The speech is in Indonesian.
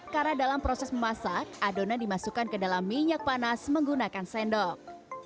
karena dalam proses memasak adonan dimasukkan ke dalam minyak panas menggunakan sendok